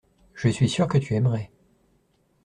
Je suis sûr que tu aimerais.